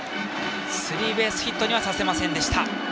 スリーベースヒットにはさせませんでした。